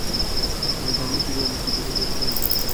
আমি ডাণ্ডি চড়িয়া অনেক পিছে পড়িয়াছিলাম।